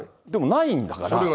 でもないんだから。